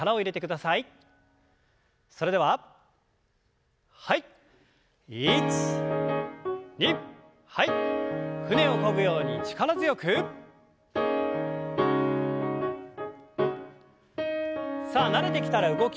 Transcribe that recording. さあ慣れてきたら動きを大きく。